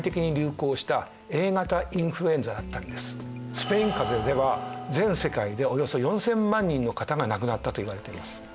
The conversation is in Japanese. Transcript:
スペインかぜでは全世界でおよそ４０００万人の方が亡くなったと言われています。